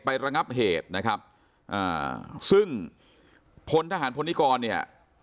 ระงับเหตุนะครับอ่าซึ่งพลทหารพลนิกรเนี่ย